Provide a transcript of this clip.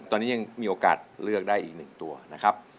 ตอนนี้ยังมีโอกาสเลือกได้อีก๑ตัวนะครับ